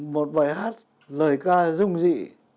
một bài hát lời ca rung dị